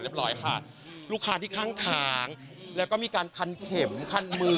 ร้อยค่ะลูกค้าที่ข้างทางแล้วก็มีการคันเข็มคันมือ